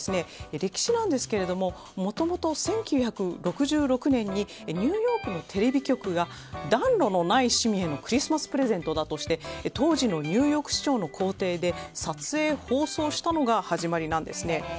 歴史なんですけれども、もともと１９６６年にニューヨークのテレビ局が暖炉のない市民へのクリスマスプレゼントだとして当時のニューヨーク市長の公邸で撮影・放送したのが始まりなんですね。